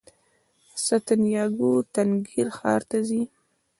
سانتیاګو تنګیر ښار ته ځي.